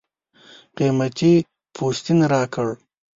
قېمتي پوستین راکړ.